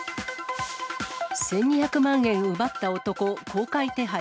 １２００万円奪った男、公開手配。